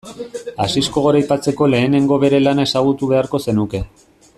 Asisko goraipatzeko lehenengo bere lana ezagutu beharko zenuke.